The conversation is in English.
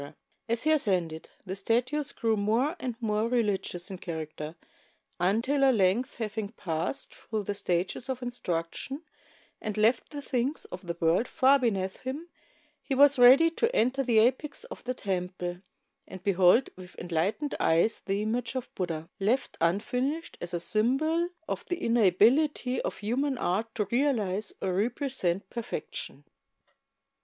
As he ascended, the statues grew more and more religious in character until at length, having passed through the stages of instruction and left the things of the world far beneath him, he was ready to enter the apex of the temple and behold with enlightened e3 es the image of Buddha, left unfinished as a symbol of the inability of human art to realize or represent perfection.